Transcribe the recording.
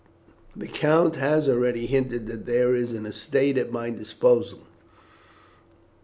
The count has already hinted that there is an estate at my disposal.